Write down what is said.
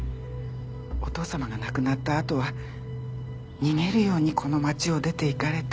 お父様が亡くなったあとは逃げるようにこの街を出て行かれて。